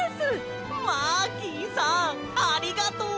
マーキーさんありがとう！